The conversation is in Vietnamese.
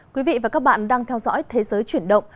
quý vị và các bạn đang theo dõi thế giới chuyển động